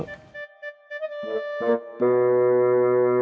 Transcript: tidak saya mau pergi